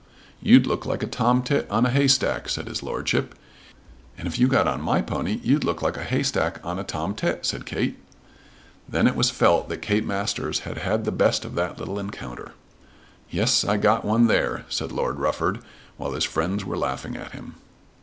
"You'd look like a tom tit on a haystack," said his lordship. "And if you got on my pony, you'd look like a haystack on a tom tit," said Kate. Then it was felt that Kate Masters had had the best of that little encounter. "Yes; I got one there," said Lord Rufford, while his friends were laughing at him.